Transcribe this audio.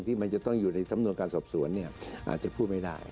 ที่มันจะต้องอยู่ในสำนวนการสอบสวนอาจจะพูดไม่ได้